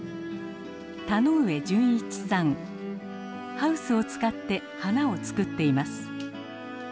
ハウスを使って花を作っています。